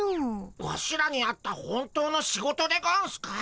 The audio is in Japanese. ワシらにあった本当の仕事でゴンスか？